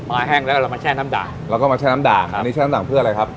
แห้งแล้วเรามาแช่น้ำด่างแล้วก็มาแช่น้ำด่างอันนี้แช่น้ำด่างเพื่ออะไรครับ